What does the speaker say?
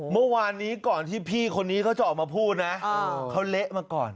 เมื่อวานนี้ก่อนที่พี่คนนี้เขาจะออกมาพูดนะเขาเละมาก่อน